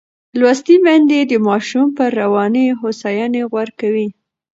لوستې میندې د ماشوم پر رواني هوساینې غور کوي.